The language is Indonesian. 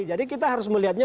jadi kita harus melihatnya